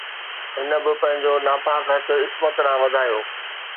هن به پنهنجو ناپاڪ هٿ عصمت ڏانهن وڌايو